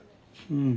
うん。